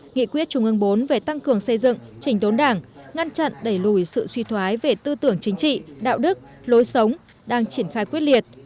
nghị quyết trung ương bốn về tăng cường xây dựng trình đốn đảng ngăn chặn đẩy lùi sự suy thoái về tư tưởng chính trị đạo đức lối sống đang triển khai quyết liệt